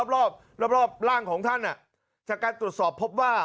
รอบร่างของท่านจากการตรวจสอบพบว่า